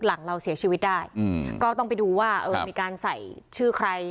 หลังเราเสียชีวิตได้อืมก็ต้องไปดูว่าเออมีการใส่ชื่อใคร